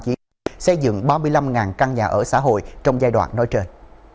chỉ xây dựng ba mươi năm căn nhà ở xã hội trong giai đoạn nói trên